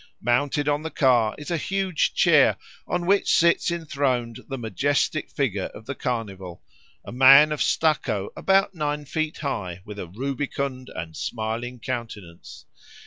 Mounted on the car is a huge chair, on which sits enthroned the majestic figure of the Carnival, a man of stucco about nine feet high with a rubicund and smiling countenance.